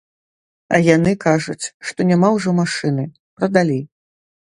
А яны кажуць, што няма ўжо машыны, прадалі.